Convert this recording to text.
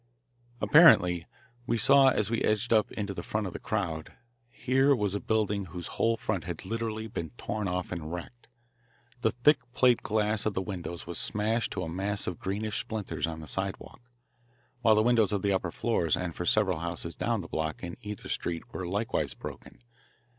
Apparently, we saw, as we edged up into the front of the crowd, here was a building whose whole front had literally been torn off and wrecked. The thick plate glass of the windows was smashed to a mass of greenish splinters on the sidewalk, while the windows of the upper floors and for several houses down the block in either street were likewise broken.